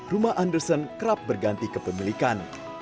rumah andersen kerap berganti ke pemilikan